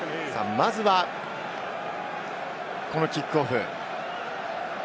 まずはこのキックオフ。